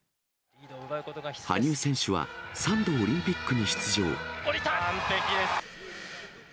羽生選手は３度オリンピック下りた！